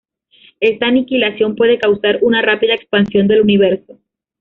Esta aniquilación puede causar una rápida expansión del universo.